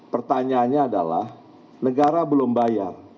pertanyaannya adalah negara belum bayar